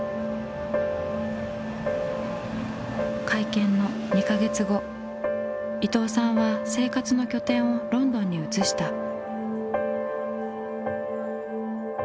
会見の２か月後伊藤さんは生活の拠点をロンドンに移した。